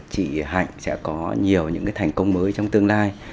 chị hạnh sẽ có nhiều những cái thành công mới trong tương lai